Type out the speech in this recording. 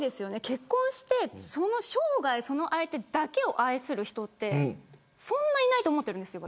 結婚して生涯その相手だけを愛する人ってそんなにいないと思うんです。